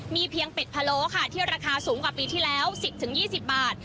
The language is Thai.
มีเพียงเป็ดพะโลค่ะที่ราคาสูงกว่าปีที่แล้วสิบถึงยี่สิบบาท